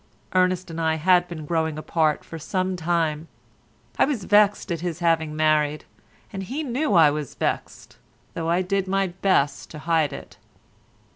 Ernest and I had been growing apart for some time. I was vexed at his having married, and he knew I was vexed, though I did my best to hide it.